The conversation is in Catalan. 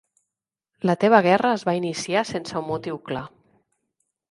La teva guerra es va iniciar sense un motiu clar.